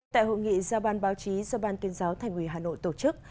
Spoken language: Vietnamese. tại hội nghị do ban báo chí do ban tuyên giáo thành quỳ hà nội tổ chức